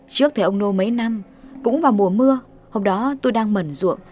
trước thì ông nô mấy năm cũng vào mùa mưa hôm đó tôi đang mẩn ruộng